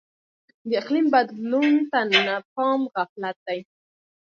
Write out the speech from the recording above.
د اقلیم بدلون ته نه پام غفلت دی.